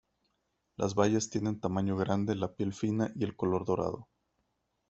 Las bayas tienen tamaño grande, la piel fina y el color dorado.